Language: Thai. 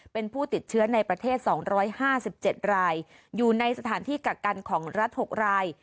เป็นผู้ติดเชื้อในประเทศ๒๕๗รายอยู่ในสถานที่กักกันของรัฐ๖ราย